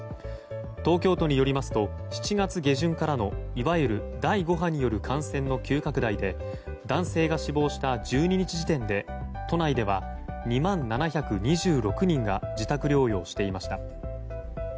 東京都によりますと７月下旬からのいわゆる第５波による感染の急拡大で男性が死亡した１２日時点で都内では２万７２６人が自宅療養していました。